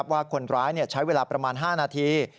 ว่าคนร้ายใช้เวลาประมาณ๕นาที